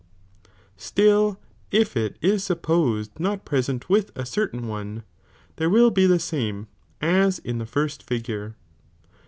Still .' if it* is supposed not present with a cerlab one,!" there will he the same ' as in the first iigure.